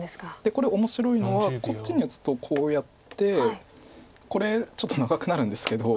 これ面白いのはこっちに打つとこうやってこれちょっと長くなるんですけど。